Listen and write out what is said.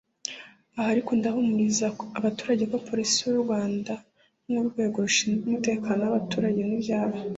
Aha ariko ndahumuriza abaturage ko Polisi y’u Rwanda nk’urwego rushinzwe umutekano w’abaturage n’ibyabo